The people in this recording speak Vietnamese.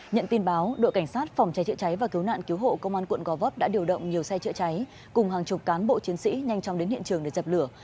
nhận tin báo đội cảnh sát phòng cháy chữa cháy và cứu nạn cứu hộ công an quận gò vấp đã điều động nhiều xe chữa cháy cùng hàng chục cán bộ chiến sĩ nhanh chóng đến hiện trường để dập lửa